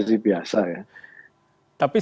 sih biasa ya tapi